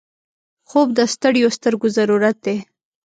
خوب د ستړیو سترګو ضرورت دی